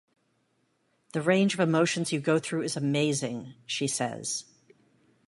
"The range of emotions you go through is amazing", she says.